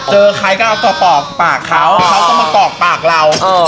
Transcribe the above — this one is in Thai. เจอใครก็เอากระปอกปากเขาเขาก็มากอกปากเรา